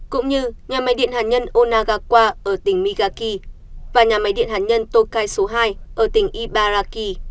cũng như nhà máy điện hàn nhân onagawa ở tỉnh miyagi và nhà máy điện hàn nhân tokai số hai ở tỉnh ibaraki